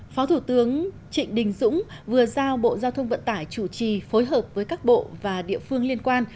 phó thủ tướng trịnh đình dũng vừa giao bộ giao thông vận tải chủ trì phối hợp với các bộ và địa phương liên quan